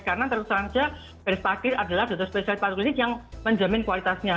karena tentu saja beris patir adalah jatuh spesialis patung klinik yang menjamin kualitasnya